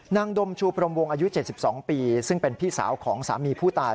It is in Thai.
ดมชูพรมวงอายุ๗๒ปีซึ่งเป็นพี่สาวของสามีผู้ตาย